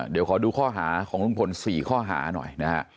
เดี๋ยวขอดูข้อหาของลุงพล๔ข้อหาหน่อยนะฮะ